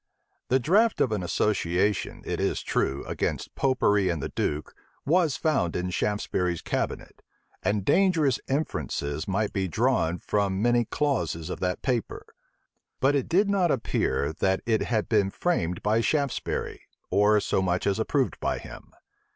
The draught of an association, it is true, against Popery and the duke, was found in Shaftesbury's cabinet; and dangerous inferences might be drawn from many clauses of that paper. But it did not appear, that it had been framed by Shaftesbury, or so much as approved by him.